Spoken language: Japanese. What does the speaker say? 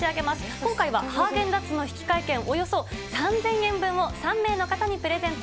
今回はハーゲンダッツの引換券、およそ３０００円分を３名の方にプレゼント。